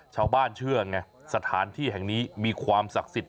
ชาวบ้านเชื่อไงสถานที่แห่งนี้มีความศักดิ์สิทธิ์